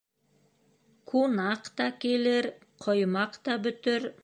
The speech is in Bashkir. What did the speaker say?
Кунаҡ та килер, ҡоймаҡ та бөтөр.